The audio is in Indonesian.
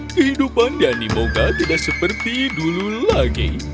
kehidupan di animoga tidak seperti dulu lagi